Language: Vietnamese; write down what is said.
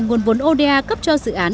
nguồn vốn oda cấp cho dự án